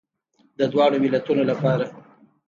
د دواړو ملتونو لپاره.